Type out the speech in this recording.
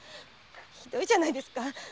ひどいじゃないですか！